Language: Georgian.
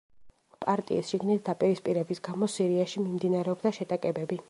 პარტიის შიგნით დაპირისპირების გამო სირიაში მიმდინარეობდა შეტაკებები.